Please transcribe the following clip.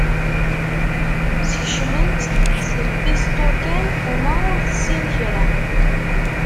Sskecmen-tt s lpisṭu kan, uma ur tessin kra.